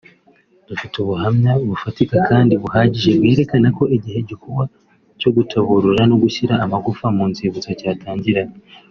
Dufite ubuhamya bufatika kandi buhagije bwerekana ko igihe igikorwa cyo gutaburura no gushyira amagufa mu nzibutso cyatangiraga